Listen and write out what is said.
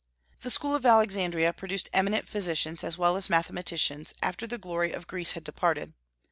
The school of Alexandria produced eminent physicians, as well as mathematicians, after the glory of Greece had departed.